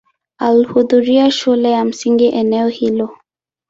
Alihudhuria shule ya msingi eneo hilo.